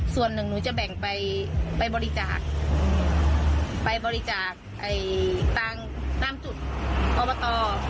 ส่วนหนึ่งหนูจะแบ่งไปไปบริจาคไปบริจาคตังค์ตามจุดอบต